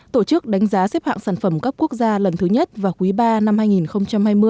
tổ chức đánh giá xếp hạng sản phẩm cấp quốc gia lần thứ nhất vào quý ba năm hai nghìn hai mươi